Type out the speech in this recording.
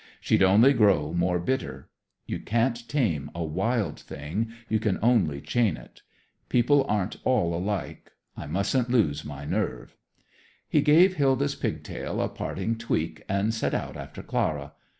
She'd only grow more bitter. You can't tame a wild thing; you can only chain it. People aren't all alike. I mustn't lose my nerve." He gave Hilda's pigtail a parting tweak and set out after Clara.